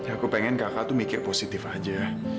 aku pengen kak diandra mikir positif aja